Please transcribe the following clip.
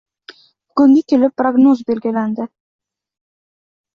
Bugunga kelib prognoz belgilandi.